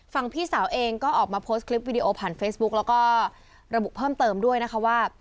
พี่สาวเองก็ออกมาโพสต์คลิปวิดีโอผ่านเฟซบุ๊กแล้วก็ระบุเพิ่มเติมด้วยนะคะว่า